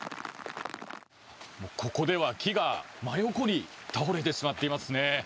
ここでは木が真横に倒れてしまっていますね。